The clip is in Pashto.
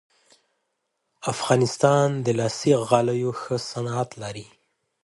افغانستان د لاسي غالیو ښه صنعت لري